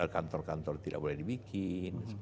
kantor kantor tidak boleh dibikin